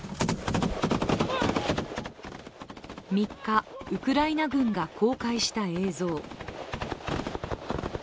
３日、ウクライナ軍が公開した映像。